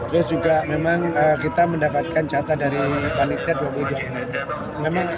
terus juga memang kita mendapatkan jatah dari panitia dua puluh dua pemain